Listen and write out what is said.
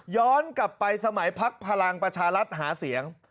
ย้อนกลับไปสมัยพักพลังประชารัฐหาเสียง